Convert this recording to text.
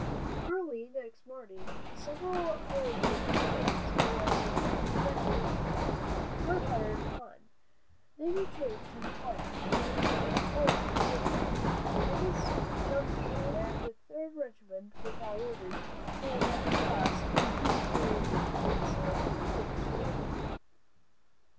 Early next morning several foraging teams belonging to the Third Regiment were fired upon. They returned the fire, and retreated toward the camp. At this juncture the Third Regiment without orders, sallied out, crossed a deep ravine and soon engaged the enemy.